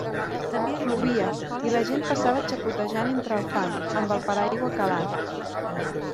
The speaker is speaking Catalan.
Plovia, i la gent passava xapotejant entre el fang, amb el paraigua calat.